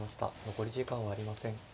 残り時間はありません。